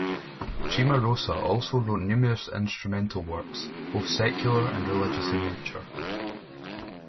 Cimarosa also wrote numerous instrumental works, both secular and religious in nature.